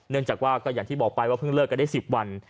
เนื่องจากว่าอย่างที่บอกไปว่าเพิ่งเลิกก็ได้๑๐วัน